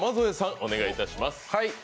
お願いいたします。